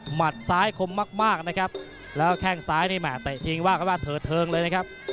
ซ้ายคมมากมากนะครับแล้วแข้งซ้ายนี่แห่เตะจริงว่ากันว่าเถิดเทิงเลยนะครับ